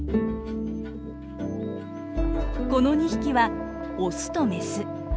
この２匹はオスとメス。